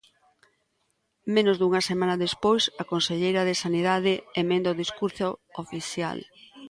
Menos dunha semana despois, a conselleira de Sanidade emenda o discurso oficial.